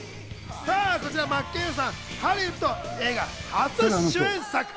こちらは真剣佑さん、ハリウッド映画初主演作。